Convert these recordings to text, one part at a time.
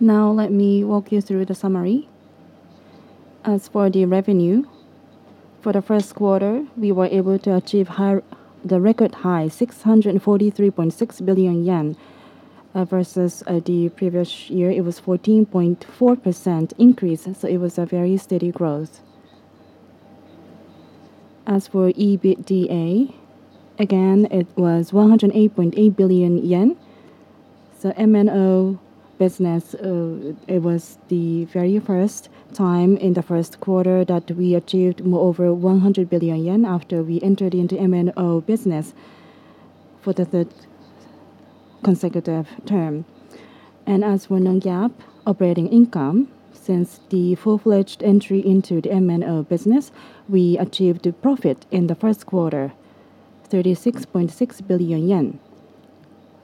Let me walk you through the summary. For the revenue, for the first quarter, we were able to achieve the record high 643.6 billion yen versus the previous year. It was 14.4% increase, it was a very steady growth. For EBITDA, again, it was 108.8 billion yen. MNO business, it was the very first time in the first quarter that we achieved over 100 billion yen after we entered into MNO business for the third consecutive term. For non-GAAP operating income, since the full-fledged entry into the MNO business, we achieved a profit in the first quarter, 36.6 billion yen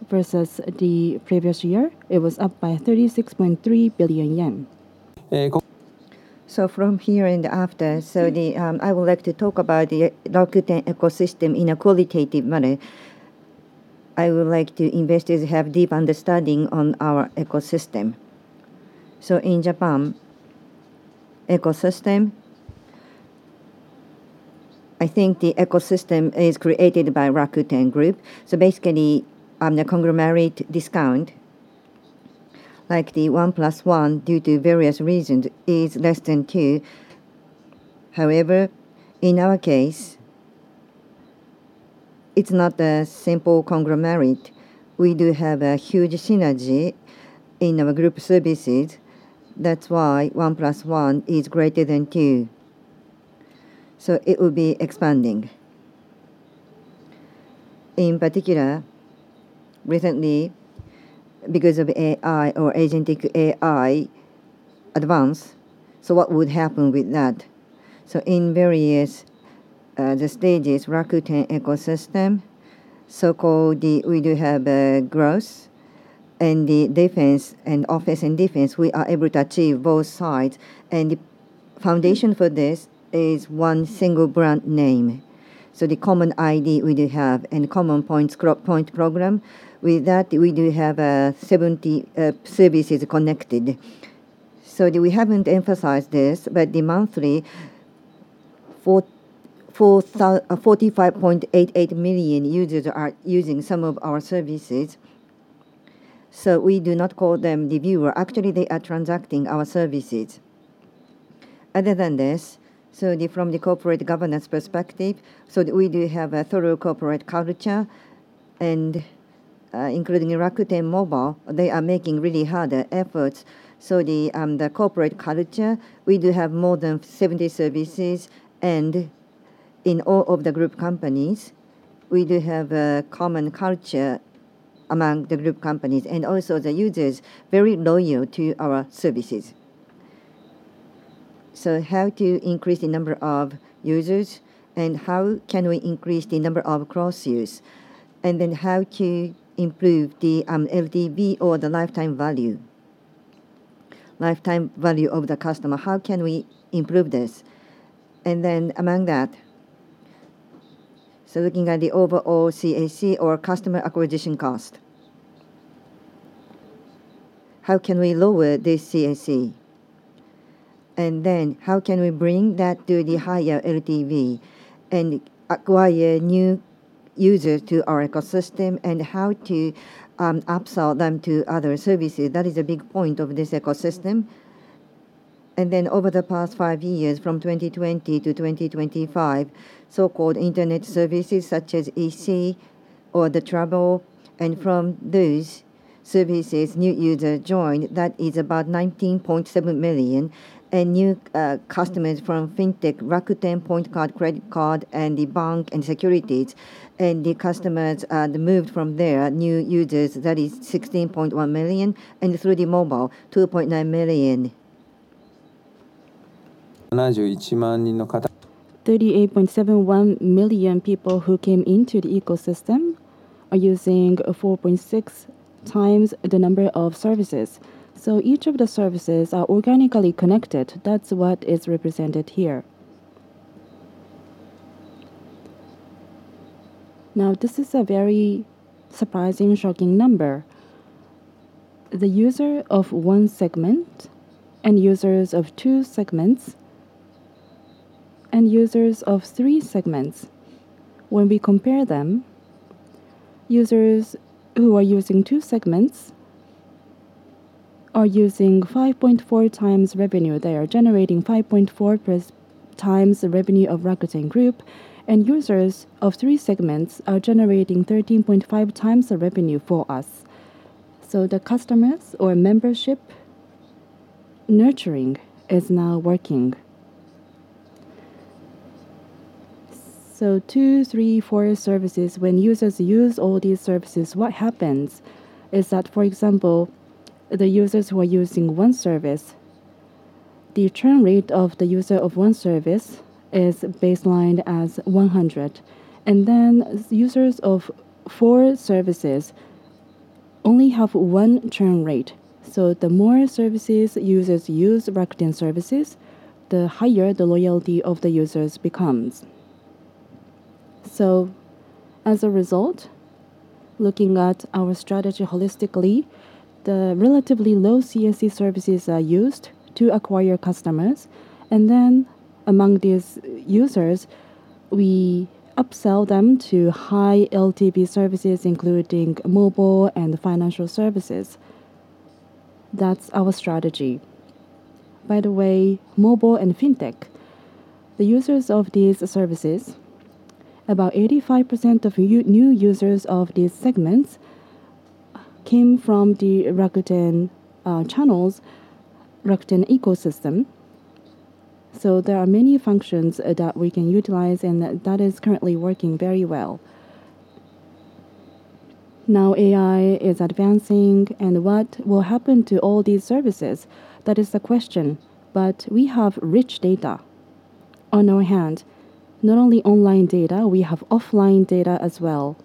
versus the previous year. It was up by 36.3 billion yen. From here and after, I would like to talk about the Rakuten ecosystem in a qualitative manner. I would like the investors to have deep understanding on our ecosystem. In Japan, ecosystem, I think the ecosystem is created by Rakuten Group. Basically, the conglomerate discount, like the 1 + 1 due to various reasons, is less than two. However, in our case, it's not a simple conglomerate. We do have a huge synergy in our group services. That's why 1 + 1 is greater than two. It will be expanding. In particular, recently, because of AI or agentic AI advance, what would happen with that? In various stages, Rakuten ecosystem, so-called we do have growth and the defense and offense and defense, we are able to achieve both sides. And the foundation for this is one single brand name. The common ID we do have and common points. With that, we do have 70 services connected. We haven't emphasized this, but the monthly 45.88 million users are using some of our services. We do not call them the viewer. Actually, they are transacting our services. Other than this, from the corporate governance perspective, we do have a thorough corporate culture. Including Rakuten Mobile, they are making really hard efforts. The corporate culture, we do have more than 70 services. In all of the group companies, we do have a common culture among the group companies. Also the users, very loyal to our services. How to increase the number of users and how can we increase the number of cross use? How to improve the LTV or the lifetime value of the customer, how can we improve this? Among that, looking at the overall CAC or customer acquisition cost, how can we lower this CAC? How can we bring that to the higher LTV and acquire new users to our ecosystem and how to upsell them to other services? That is a big point of this ecosystem. Over the past five years from 2020-2025, so-called internet services such as EC or the travel. From those services, new users join. That is about 19.7 million. New customers from fintech, Rakuten Point Card, credit card, Bank and Securities. The customers moved from there, new users, that is 16.1 million. Through the mobile, 2.9 million. 38.71 million people who came into the ecosystem are using four point six times the number of services. Each of the services are organically connected. That's what is represented here. This is a very surprising, shocking number. The user of one segment and users of two segments and users of three segments, when we compare them, users who are using two segments are using 5.4x revenue. They are generating 5.4x the revenue of Rakuten Group. Users of three segments are generating 13.5x the revenue for us. The customers or membership nurturing is now working. Two, three, four services, when users use all these services, what happens is that, for example, the users who are using one service, the churn rate of the user of one service is baselined as 100. Users of four services only have one churn rate. The more services users use Rakuten services, the higher the loyalty of the users becomes. As a result, looking at our strategy holistically, the relatively low CAC services are used to acquire customers. Among these users, we upsell them to high LTV services, including mobile and financial services. That's our strategy. By the way, mobile and fintech, the users of these services, about 85% of new users of these segments came from the Rakuten channels, Rakuten ecosystem. There are many functions that we can utilize, and that is currently working very well. AI is advancing, and what will happen to all these services? That is the question. We have rich data on our hand. Not only online data, we have offline data as well.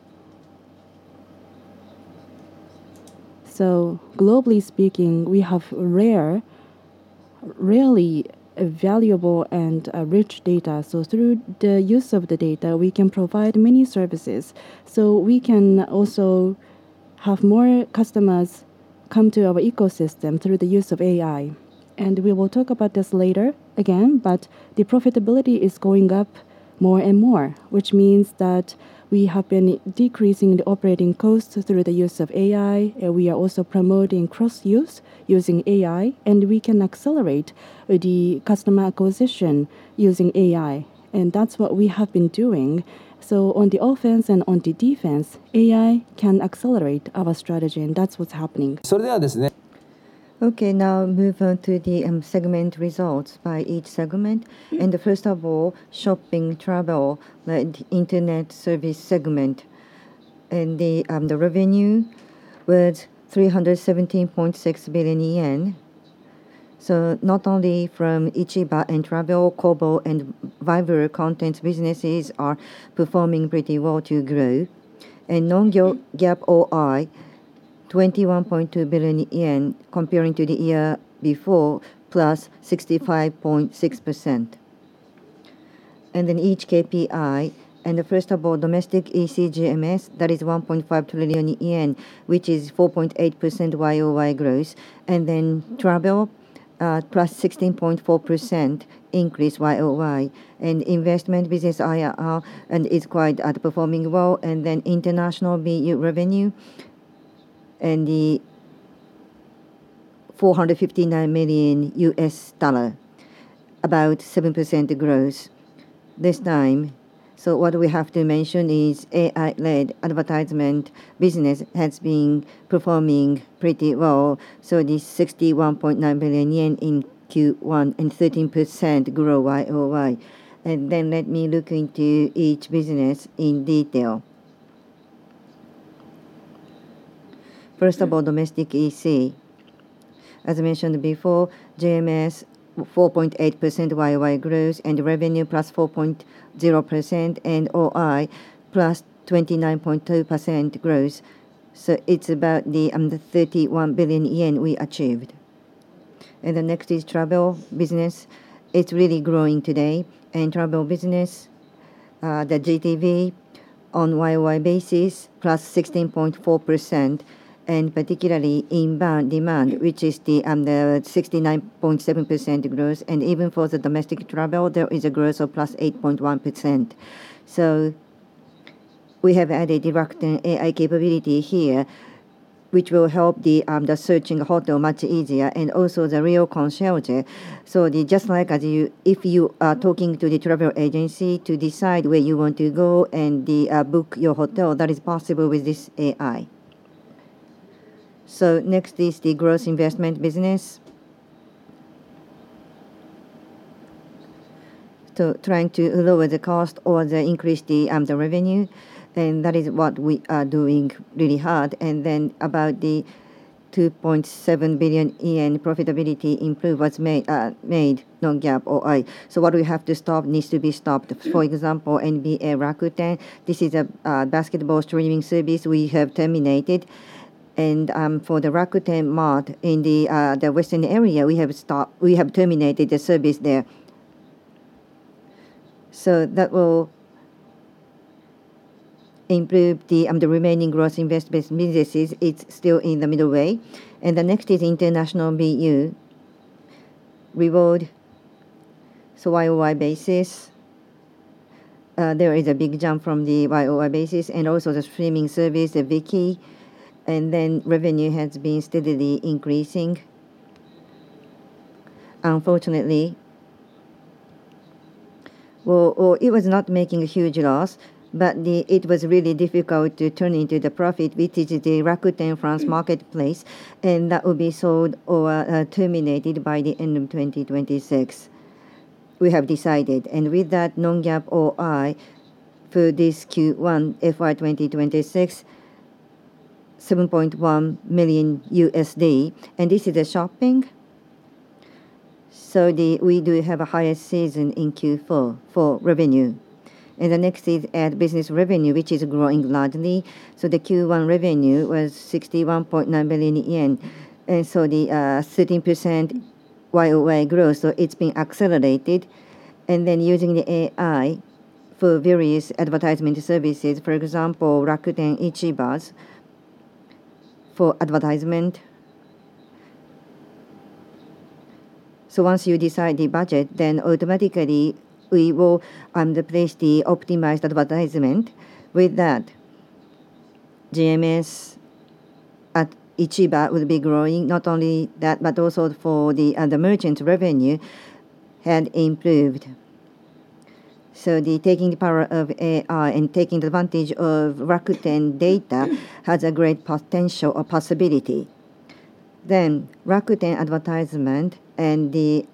Globally speaking, we have really valuable and rich data. Through the use of the data, we can provide many services. We can also have more customers come to our ecosystem through the use of AI. We will talk about this later again, but the profitability is going up more and more, which means that we have been decreasing the operating costs through the use of AI. We are also promoting cross-use using AI, and we can accelerate the customer acquisition using AI, and that's what we have been doing. On the offense and on the defense, AI can accelerate our strategy, and that's what's happening. Okay, now move on to the segment results by each segment. Shopping, travel, the internet service segment. The revenue was 317.6 billion yen. Not only from Ichiba and Travel, Kobo and Viber content businesses are performing pretty well to grow. Non-GAAP OI, 21.2 billion yen comparing to the year before, +65.6%. Each KPI. Domestic EC GMS, that is 1.5 trillion yen, which is 4.8% YoY growth. Travel, +16.4% increase YoY. Investment business IRR and is quite performing well. International BU revenue, $459 million, about 7% growth this time. What we have to mention is AI-led advertisement business has been performing pretty well. This 61.9 billion yen in Q1 and 13% growth YoY. Let me look into each business in detail. First of all, domestic EC. As mentioned before, GMS 4.8% YoY growth and revenue +4.0% and OI +29.2% growth. It's about the 31 billion yen we achieved. The next is travel business. It's really growing today. Travel business, the GTV on YoY basis +16.4%, and particularly inbound demand, which is the 69.7% growth. Even for the domestic travel, there is a growth of +8.1%. We have added direct AI capability here, which will help the searching hotel much easier and also the real concierge. Just like as you if you are talking to the travel agency to decide where you want to go and book your hotel, that is possible with this AI. Next is the growth investment business. Trying to lower the cost or increase the revenue, and that is what we are doing really hard. About the 2.7 billion yen profitability improve was made non-GAAP OI. What we have to stop needs to be stopped. For example, NBA Rakuten, this is a basketball streaming service we have terminated. For the Rakuten Mart in the Western area, we have terminated the service there. That will improve the remaining growth invest base businesses. It's still in the middle way. The next is international BU. Reward, YoY basis, there is a big jump from the YoY basis and also the streaming service, Viki, revenue has been steadily increasing. Unfortunately, it was not making a huge loss, but it was really difficult to turn into the profit, which is the Rakuten France marketplace, and that will be sold or terminated by the end of 2026, we have decided. With that non-GAAP OI for this Q1 FY 2026, $7.1 million. This is the shopping. We do have a higher season in Q4 for revenue. The next is ad business revenue, which is growing largely. The Q1 revenue was 61.9 billion yen. And so the, uh, 13% increase YoY growth, it's been accelerated. Using the AI for various advertisement services. For example, Rakuten Ichiba's for advertisement. Once you decide the budget, automatically we will replace the optimized advertisement with that. GMS at Ichiba will be growing. Not only that, but also for the merchant revenue had improved. The taking the power of AI and taking advantage of Rakuten data has a great potential or possibility. Rakuten advertisement and the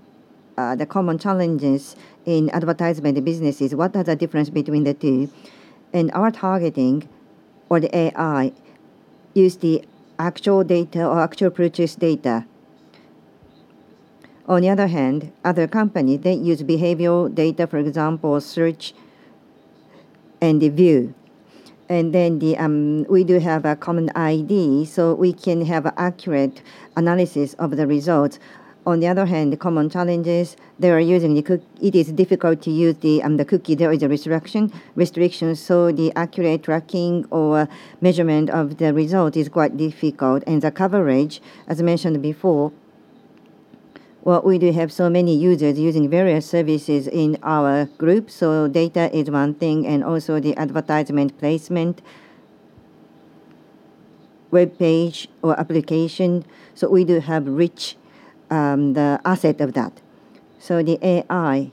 common challenges in advertisement businesses, what are the difference between the two? Our targeting for the AI use the actual data or actual purchase data. On the other hand, other company, they use behavioral data, for example, search and the view. We do have a Rakuten ID, we can have accurate analysis of the results. On the other hand, the common challenges. It is difficult to use the cookie. There is a restriction, so the accurate tracking or measurement of the result is quite difficult. The coverage, as mentioned before, well, we do have so many users using various services in our group, so data is one thing and also the advertisement placement, web page or application. We do have rich the asset of that. The AI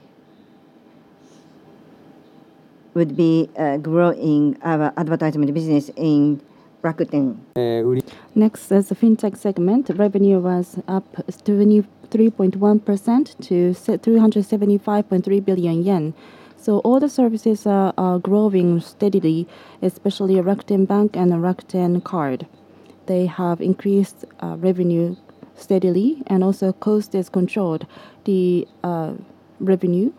would be growing our advertisement business in Rakuten. Next is the Fintech segment. Revenue was up 73.1% to 375.3 billion yen. All the services are growing steadily, especially Rakuten Bank and Rakuten Card. They have increased revenue steadily and also cost is controlled. The revenue,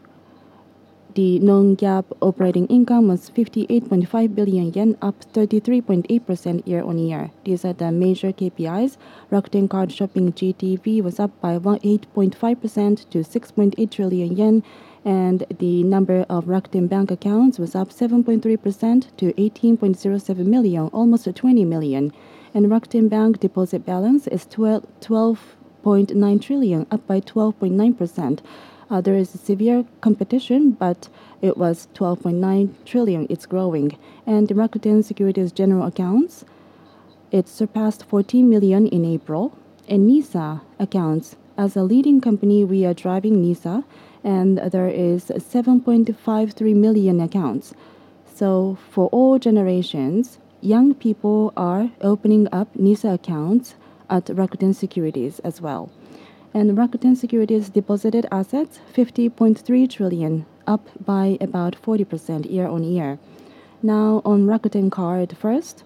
the non-GAAP operating income was 58.5 billion yen, up 33.8% year-on-year. These are the major KPIs. Rakuten Card shopping GTV was up by 8.5% to 6.8 trillion yen, and the number of Rakuten Bank accounts was up 7.3% to 18.07 million, almost 20 million. Rakuten Bank deposit balance is 12.9 trillion, up by 12.9%. There is severe competition, but it was 12.9 trillion. It's growing. Rakuten Securities general accounts, it surpassed 14 million in April. NISA accounts, as a leading company, we are driving NISA, and there is 7.53 million accounts. For all generations, young people are opening up NISA accounts at Rakuten Securities as well. Rakuten Securities deposited assets 50.3 trillion, up by about 40% YoY. On Rakuten Card first.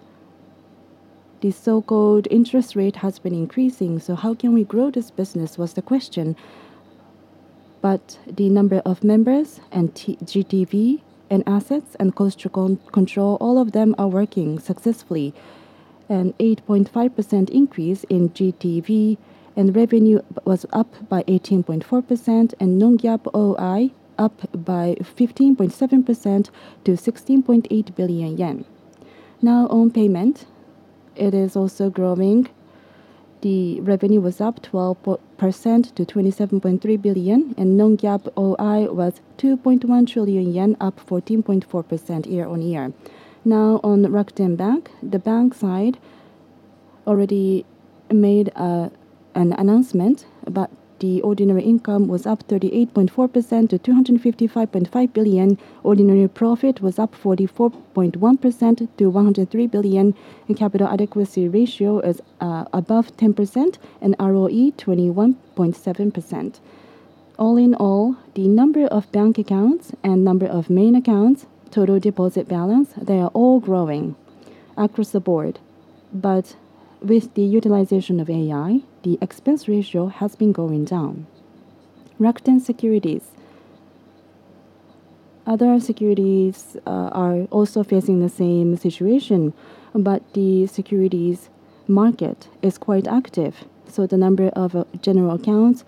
The so-called interest rate has been increasing, so how can we grow this business was the question. The number of members and GTV and assets and cost control, all of them are working successfully. An 8.5% increase in GTV and revenue was up by 18.4% and non-GAAP OI up by 15.7% to 16.8 billion yen. On payment. It is also growing. The revenue was up 12% to 27.3 billion, and non-GAAP OI was 2.1 trillion yen, up 14.4% YoY. On Rakuten Bank. The bank side already made an announcement that the ordinary income was up 38.4% to 255.5 billion. Ordinary profit was up 44.1% to 103 billion. The capital adequacy ratio is above 10% and ROE 21.7%. All in all, the number of bank accounts and number of main accounts, total deposit balance, they are all growing across the board. With the utilization of AI, the expense ratio has been going down. Rakuten Securities. Other securities are also facing the same situation, but the securities market is quite active. The number of general accounts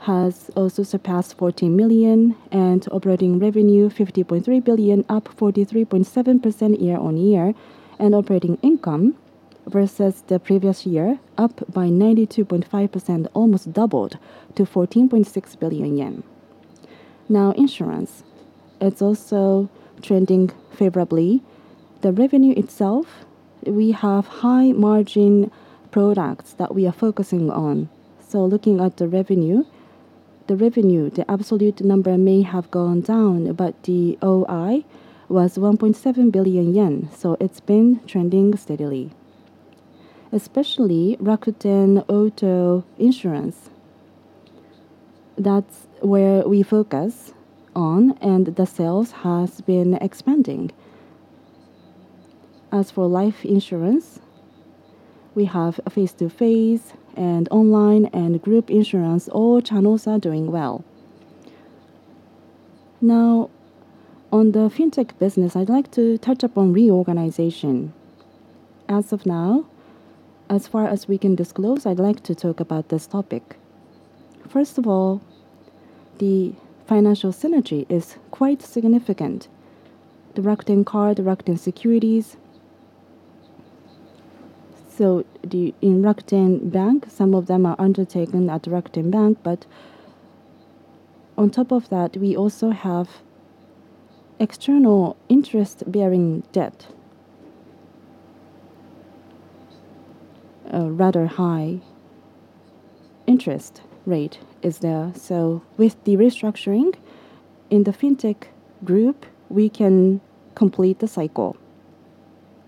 has also surpassed 14 million, and operating revenue 50.3 billion, up 43.7% year-on-year. Operating income versus the previous year up by 92.5%, almost doubled to 14.6 billion yen. Insurance. It's also trending favorably. The revenue itself, we have high margin products that we are focusing on. Looking at the revenue, the absolute number may have gone down, but the OI was 1.7 billion yen. It's been trending steadily. Especially Rakuten Auto Insurance, that's where we focus on, and the sales has been expanding. As for life insurance, we have face-to-face and online and group insurance. All channels are doing well. On the fintech business, I'd like to touch upon reorganization. As of now, as far as we can disclose, I'd like to talk about this topic. First of all, the financial synergy is quite significant. The Rakuten Card, Rakuten Securities. In Rakuten Bank, some of them are undertaken at Rakuten Bank, but on top of that, we also have external interest-bearing debt. A rather high interest rate is there. With the restructuring in the fintech group, we can complete the cycle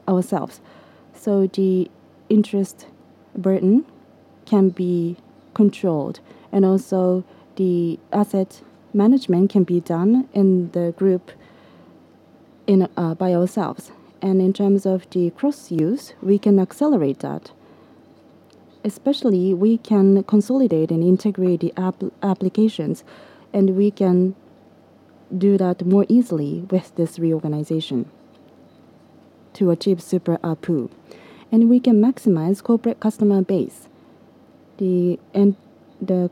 ourselves. The interest burden can be controlled, and also the asset management can be done in the group in by ourselves. In terms of the cross-use, we can accelerate that. Especially, we can consolidate and integrate applications, and we can do that more easily with this reorganization to achieve Super ARPU. We can maximize corporate customer base. The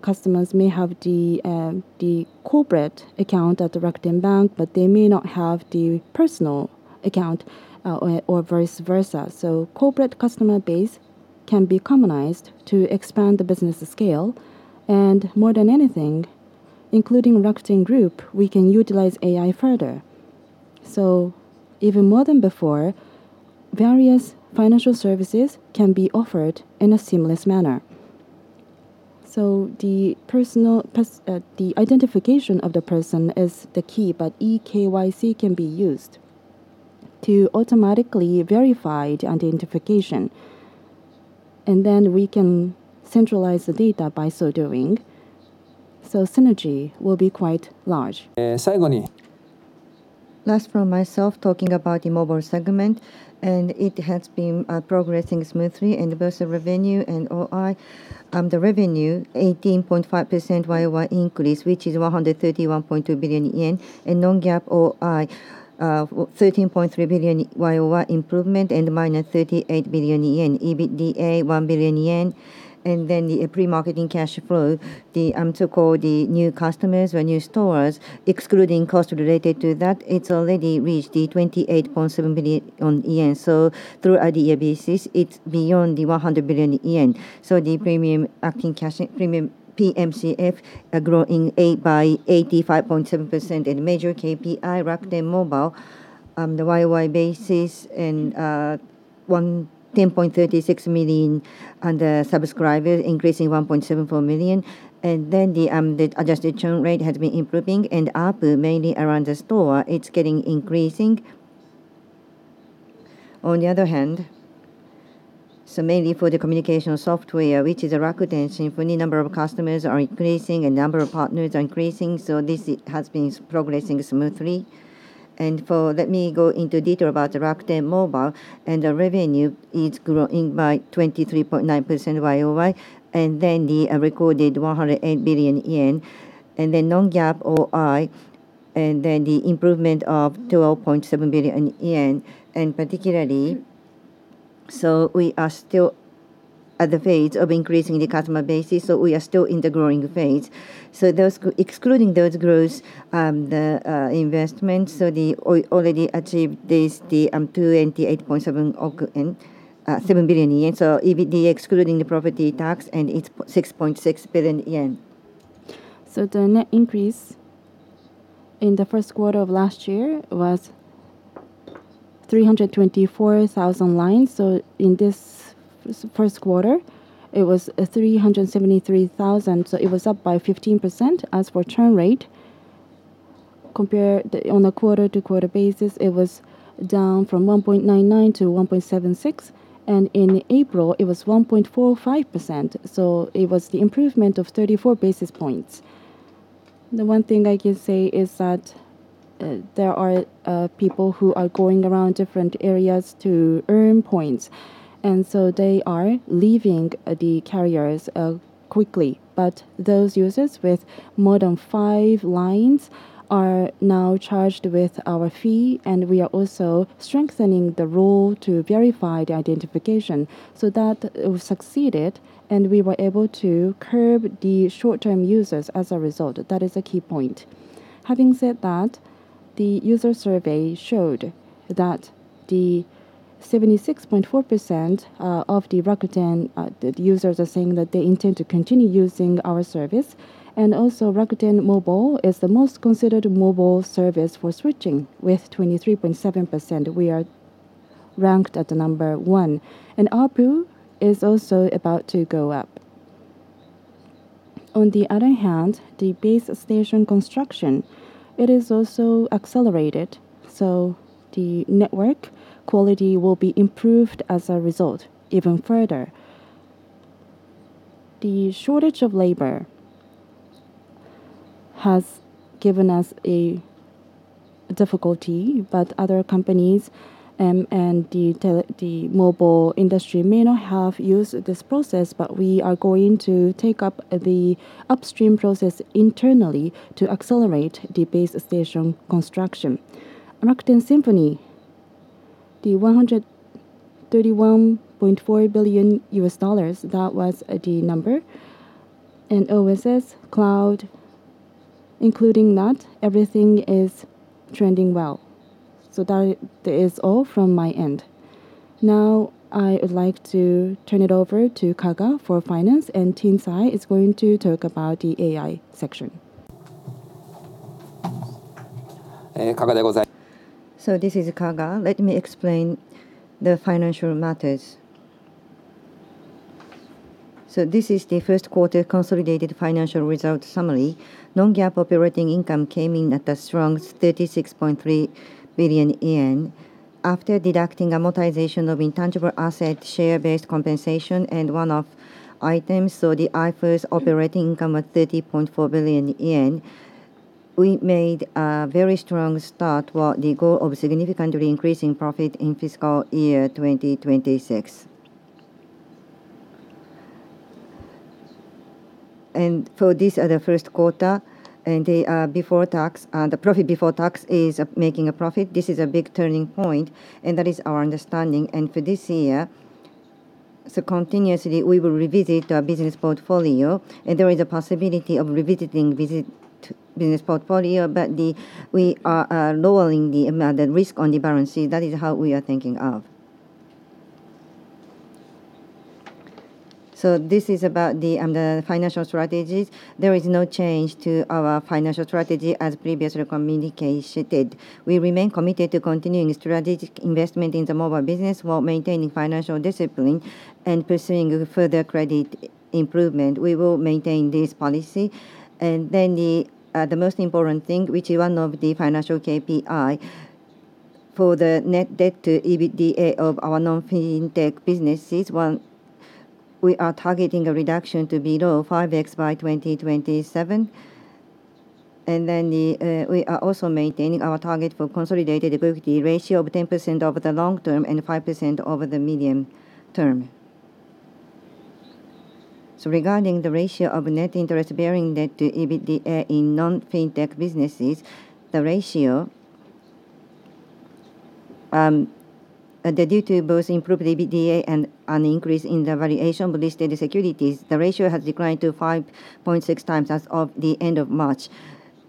customers may have the corporate account at Rakuten Bank, but they may not have the personal account or vice versa. Corporate customer base can be commonized to expand the business scale. More than anything, including Rakuten Group, we can utilize AI further. Even more than before, various financial services can be offered in a seamless manner. The identification of the person is the key, but eKYC can be used to automatically verify the identification, and then we can centralize the data by so doing. Synergy will be quite large. Finally. Last from myself, talking about the mobile segment, it has been progressing smoothly in both the revenue and OI. The revenue, 18.5% YoY increase, which is 131.2 billion yen. Non-GAAP OI, 13.3 billion YoY improvement and -38 billion yen. EBITDA, 1 billion yen. The pre-marketing cash flow, the so-called new customers or new stores, excluding cost related to that, it's already reached 28.7 billion yen. Through [EBITDA basis, it's beyond 100 billion yen. The premium PMCF, growing 85.7%. Major KPI, Rakuten Mobile, the YoY basis, 10.36 million under subscriber, increasing 1.74 million. The adjusted churn rate has been improving. ARPU, mainly around the store, it's getting increasing. On the other hand, mainly for the communication software, which is Rakuten Symphony, the number of customers are increasing and number of partners are increasing, this has been progressing smoothly. Let me go into detail about Rakuten Mobile. The revenue is growing by 23.9% YoY, recorded 108 billion yen. Non-GAAP OI, improvement of 12.7 billion yen. Particularly, we are still at the phase of increasing the customer bases, we are still in the growing phase. Excluding those growth investment, already achieved this, 287 million, 7 billion yen. EBITDA, excluding the property tax, and it's 6.6 billion yen. The net increase in the first quarter of last year was 324,000 lines. In this first quarter, it was 373,000. It was up by 15%. As for churn rate, on a quarter-to-quarter basis, it was down from 1.99%-1.76%. In April, it was 1.45%. It was the improvement of 34 basis points. The one thing I can say is that there are people who are going around different areas to earn points. They are leaving the carriers quickly. Those users with more than five lines are now charged with our fee, and we are also strengthening the role to verify the identification. That succeeded, and we were able to curb the short-term users as a result. That is a key point. Having said that, the user survey showed that the 76.4% of the Rakuten users are saying that they intend to continue using our service. Rakuten Mobile is the most considered mobile service for switching with 23.7%. We are ranked at the number one. ARPU is also about to go up. The base station construction, it is also accelerated, so the network quality will be improved as a result even further. The shortage of labor has given us a difficulty, but other companies, and the mobile industry may not have used this process, but we are going to take up the upstream process internally to accelerate the base station construction. Rakuten Symphony, the $131.4 billion, that was the number. OSS cloud, including that, everything is trending well. That is all from my end. Now, I would like to turn it over to Kaga for finance, and Ting Cai is going to talk about the AI section. This is Kaga. Let me explain the financial matters. This is the first quarter consolidated financial results summary. Non-GAAP operating income came in at a strong 36.3 billion yen. After deducting amortization of intangible asset share-based compensation and one-off items, the IFRS operating income at 30.4 billion yen, we made a very strong start toward the goal of significantly increasing profit in FY 2026. For this first quarter and the before tax, the profit before tax is making a profit. This is a big turning point, that is our understanding. For this year, continuously we will revisit our business portfolio, there is a possibility of revisiting visit to business portfolio, but we are lowering the amount of risk on the balance sheet. That is how we are thinking of. This is about the financial strategies. There is no change to our financial strategy as previously communicated. We remain committed to continuing strategic investment in the mobile business while maintaining financial discipline and pursuing further credit improvement. We will maintain this policy. The most important thing, which is one of the financial KPI for the net debt to EBITDA of our non-fintech businesses. One, we are targeting a reduction to below 5x by 2027. We are also maintaining our target for consolidated equity ratio of 10% over the long term and 5% over the medium term. Regarding the ratio of net interest-bearing debt to EBITDA in non-fintech businesses, the ratio, due to both improved EBITDA and an increase in the valuation of listed securities, the ratio has declined to 5.6x as of the end of March.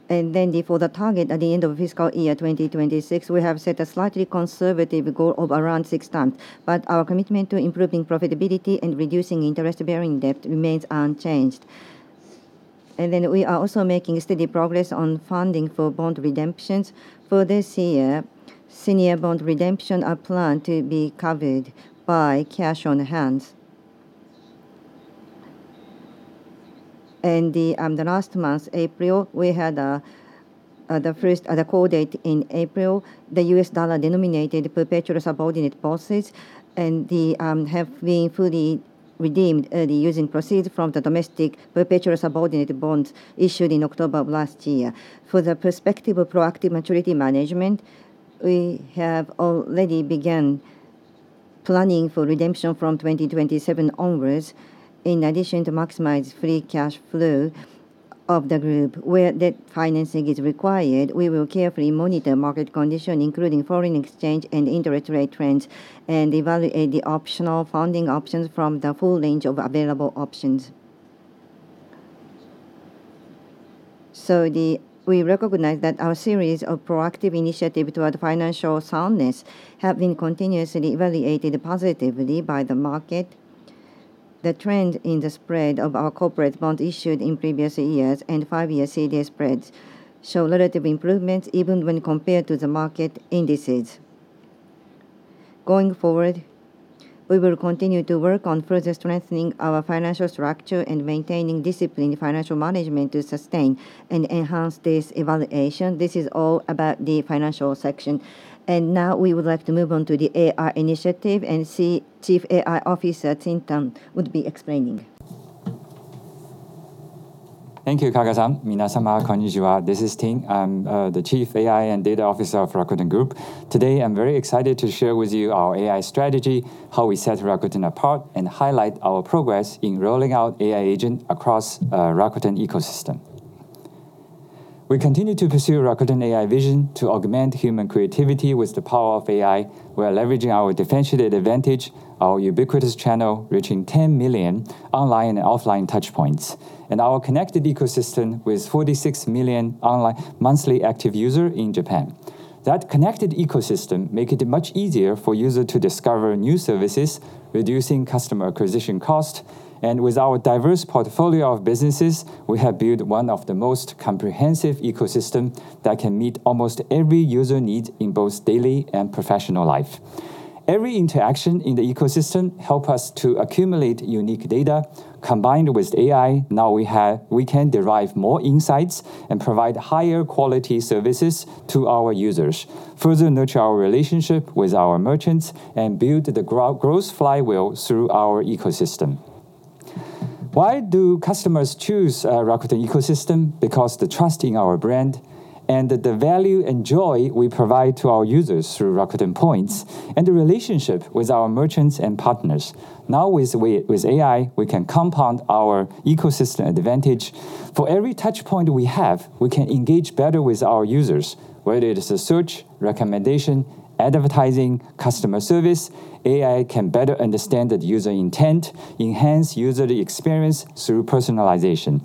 For the target at the end of fiscal year 2026, we have set a slightly conservative goal of around 6x. Our commitment to improving profitability and reducing interest-bearing debt remains unchanged. We are also making steady progress on funding for bond redemptions. For this year, senior bond redemption are planned to be covered by cash on hand. Last month, April, we had the first call date in April. The U.S. dollar denominated perpetual subordinate bonds and have been fully redeemed using proceeds from the domestic perpetual subordinate bonds issued in October of last year. For the perspective of proactive maturity management, we have already began planning for redemption from 2027 onwards in addition to maximize free cash flow of the group. Where debt financing is required, we will carefully monitor market condition, including foreign exchange and interest rate trends, and evaluate the optional funding options from the full range of available options. We recognize that our series of proactive initiative toward financial soundness have been continuously evaluated positively by the market. The trend in the spread of our corporate bonds issued in previous years and five year CDS spreads show relative improvements even when compared to the market indices. Going forward, we will continue to work on further strengthening our financial structure and maintaining disciplined financial management to sustain and enhance this evaluation. This is all about the financial section. Now we would like to move on to the AI initiative and see Chief AI & Data Officer Ting Cai would be explaining. Thank you, Kaga-san. This is Ting. I'm the Chief AI and Data Officer of Rakuten Group. Today, I'm very excited to share with you our AI strategy, how we set Rakuten apart, and highlight our progress in rolling out AI agent across Rakuten ecosystem. We continue to pursue Rakuten AI vision to augment human creativity with the power of AI. We are leveraging our differentiated advantage, our ubiquitous channel, reaching 10 million online and offline touchpoints, and our connected ecosystem with 46 million online monthly active user in Japan. That connected ecosystem make it much easier for user to discover new services, reducing Customer Acquisition Cost. With our diverse portfolio of businesses, we have built one of the most comprehensive ecosystem that can meet almost every user need in both daily and professional life. Every interaction in the ecosystem help us to accumulate unique data. Combined with AI, now we can derive more insights and provide higher quality services to our users, further nurture our relationship with our merchants, and build the growth flywheel through our Rakuten ecosystem. Why do customers choose Rakuten ecosystem? Because the trust in our brand and the value and joy we provide to our users through Rakuten points, and the relationship with our merchants and partners. Now with AI, we can compound our ecosystem advantage. For every touch point we have, we can engage better with our users, whether it is a search, recommendation, advertising, customer service, AI can better understand the user intent, enhance user experience through personalization.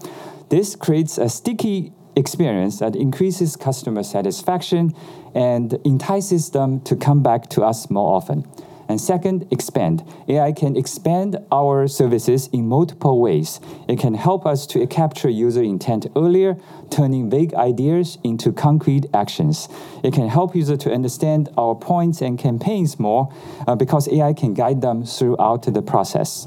This creates a sticky experience that increases customer satisfaction and entices them to come back to us more often. Second, expand. AI can expand our services in multiple ways. It can help us to capture user intent earlier, turning vague ideas into concrete actions. It can help user to understand our points and campaigns more, because AI can guide them throughout the process.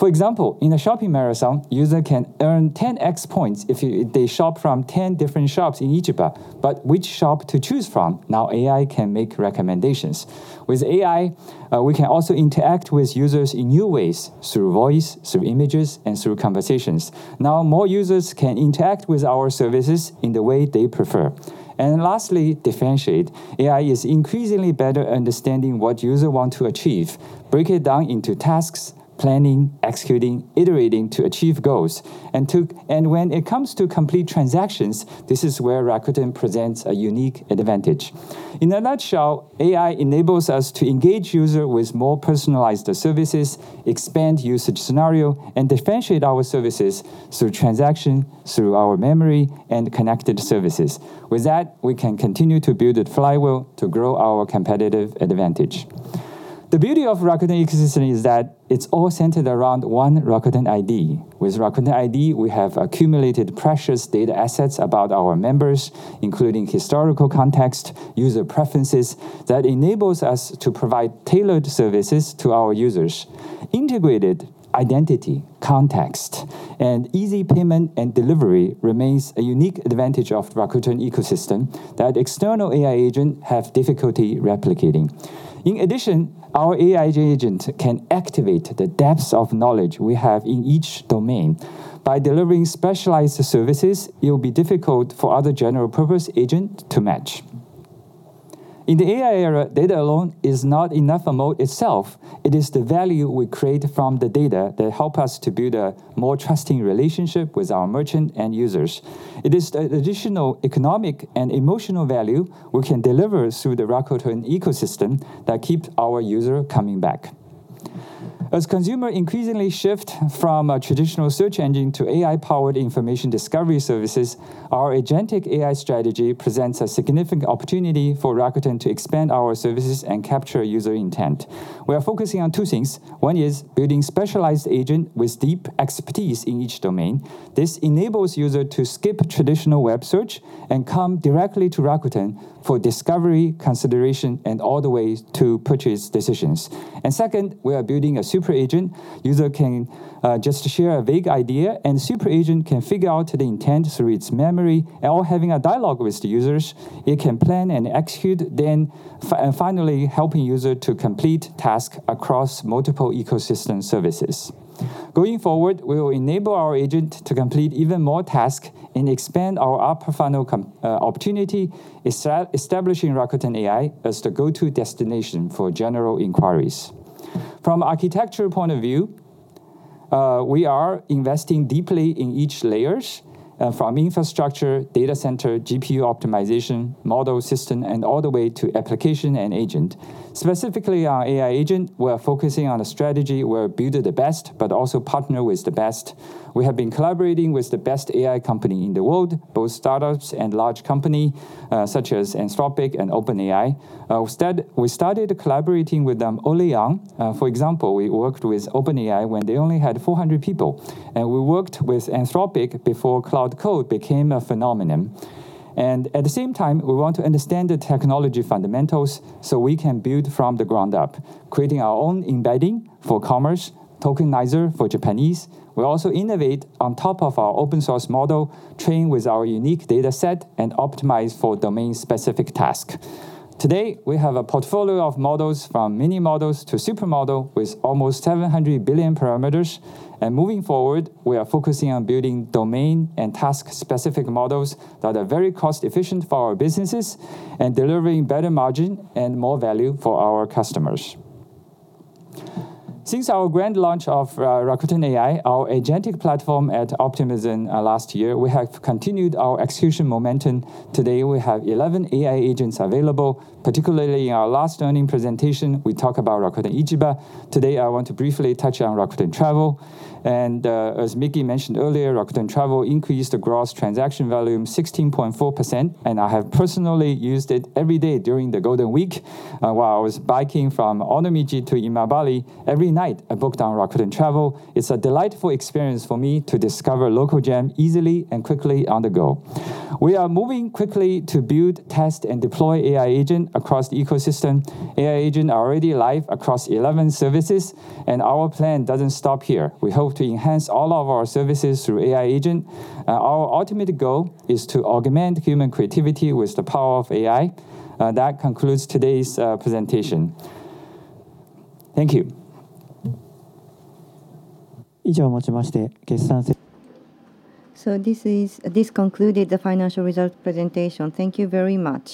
For example, in a shopping marathon, user can earn 10x points if they shop from 10 different shops in Ichiba. Which shop to choose from? Now AI can make recommendations. With AI, we can also interact with users in new ways, through voice, through images, and through conversations. Now more users can interact with our services in the way they prefer. Lastly, differentiate. AI is increasingly better understanding what user want to achieve, break it down into tasks, planning, executing, iterating to achieve goals. When it comes to complete transactions, this is where Rakuten presents a unique advantage. In a nutshell, AI enables us to engage user with more personalized services, expand usage scenario, and differentiate our services through transaction, through our memory, and connected services. With that, we can continue to build a flywheel to grow our competitive advantage. The beauty of Rakuten ecosystem is that it's all centered around one Rakuten ID. With Rakuten ID, we have accumulated precious data assets about our members, including historical context, user preferences, that enables us to provide tailored services to our users. Integrated identity, context, and easy payment and delivery remains a unique advantage of Rakuten ecosystem that external AI agent have difficulty replicating. In addition, our AI agent can activate the depths of knowledge we have in each domain. By delivering specialized services, it will be difficult for other general purpose agent to match. In the AI era, data alone is not enough amount itself. It is the value we create from the data that help us to build a more trusting relationship with our merchant and users. It is the additional economic and emotional value we can deliver through the Rakuten ecosystem that keeps our user coming back. As consumer increasingly shift from a traditional search engine to AI-powered information discovery services, our agentic AI strategy presents a significant opportunity for Rakuten to expand our services and capture user intent. We are focusing on two things. One is building specialized agent with deep expertise in each domain. This enables user to skip traditional web search and come directly to Rakuten for discovery, consideration, and all the way to purchase decisions. Second, we are building a super agent. User can just share a vague idea, and super agent can figure out the intent through its memory or having a dialogue with the users. It can plan and execute then and finally helping user to complete task across multiple ecosystem services. Going forward, we will enable our agent to complete even more task and expand our opportunity establishing Rakuten AI as the go-to destination for general inquiries. From architecture point of view, we are investing deeply in each layers, from infrastructure, data center, GPU optimization, model system, and all the way to application and agent. Specifically our AI agent, we are focusing on a strategy where build the best but also partner with the best. We have been collaborating with the best AI company in the world, both startups and large company, such as Anthropic and OpenAI. We started collaborating with them early on. For example, we worked with OpenAI when they only had 400 people, and we worked with Anthropic before Claude Code became a phenomenon. At the same time, we want to understand the technology fundamentals so we can build from the ground up, creating our own embedding for commerce, tokenizer for Japanese. We also innovate on top of our open source model, train with our unique data set, and optimize for domain-specific task. Today, we have a portfolio of models from mini models to super model with almost 700 billion parameters. Moving forward, we are focusing on building domain and task-specific models that are very cost efficient for our businesses and delivering better margin and more value for our customers. Since our grand launch of Rakuten AI, our agentic platform at Rakuten Optimism last year, we have continued our execution momentum. Today, we have 11 AI agents available, particularly in our last earnings presentation, we talk about Rakuten Ichiba. Today, I want to briefly touch on Rakuten Travel. As Miki mentioned earlier, Rakuten Travel increased the gross transaction volume 16.4%, and I have personally used it every day during the Golden Week, while I was biking from Onomichi to Imabari. Every night, I booked on Rakuten Travel. It's a delightful experience for me to discover local gem easily and quickly on the go. We are moving quickly to build, test, and deploy AI agent across the ecosystem. AI agent are already live across 11 services, our plan doesn't stop here. We hope to enhance all of our services through AI agent. Our ultimate goal is to augment human creativity with the power of AI. That concludes today's presentation. Thank you. This concluded the financial result presentation. Thank you very much.